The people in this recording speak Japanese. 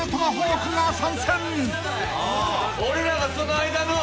俺らがその間の。